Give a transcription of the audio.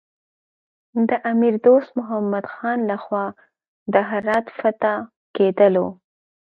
د امیر دوست محمد خان له خوا د هرات د فتح کېدلو.